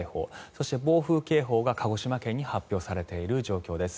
そして暴風警報が鹿児島県に発表されている状況です。